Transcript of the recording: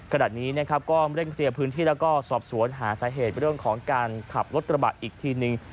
ขณะนี้นะครับก็เร่งเคลียร์พื้นที่แล้วก็สอบสวนหาสาเหตุเรื่องของการขับรถกระบะอีกทีนึง